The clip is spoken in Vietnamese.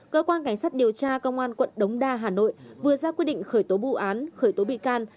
cơ quan cảnh sát điều tra công an quận đống đa hà nội vừa ra quyết định khởi tố vụ án khởi tố bị can